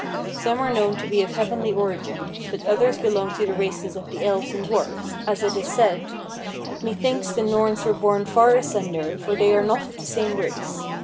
Some are known to be of heavenly origin, but others belong to the races of the elves and dwarfs; as it is said "'Methinks the Norns were born far asunder, for they are not of the same race.